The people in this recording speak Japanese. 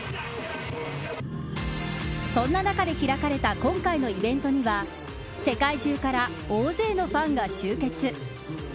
そんな中で開かれた今回のイベントには世界中から大勢のファンが集結。